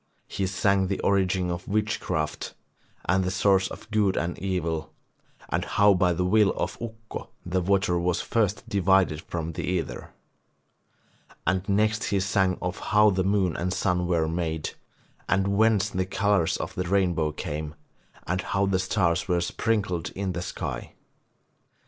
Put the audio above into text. He sang the origin of witchcraft, the source of good and evil and how by the will of Ukko the water was first divided from the ether. And next he sang of how the moon and sun were made, and whence the colours of the rainbow came, and how the stars were sprinkled in the sky.